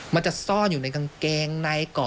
มันจะซ่อนอยู่ในกางเกงในเกาะ